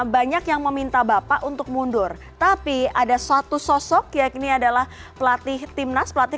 banyak yang meminta bapak untuk mundur tapi ada satu sosok yakni adalah pelatih timnas pelatih